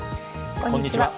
こんにちは。